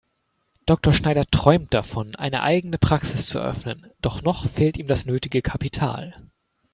Dr. Schneider träumt davon, eine eigene Praxis zu eröffnen, doch noch fehlt ihm das nötige Kapital.